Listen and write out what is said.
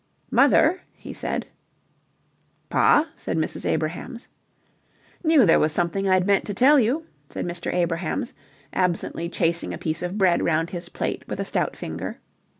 "Mother," he said. "Pa?" said Mrs. Abrahams. "Knew there was something I'd meant to tell you," said Mr. Abrahams, absently chasing a piece of bread round his plate with a stout finger.